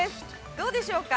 どうでしょうか。